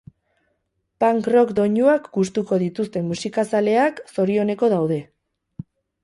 Punk rock doinuak gustuko dituzten musikazaleak zorioneko daude.